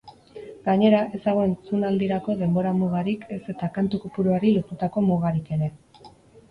Gainera, ez dago entzunaldirako denbora-mugarik ez eta kantu-kopuruari lotutako mugarik ere.